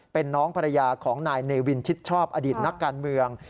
เป็นน้องภรรยาของนายเนวินชิดชอบอดีตนักการเมือง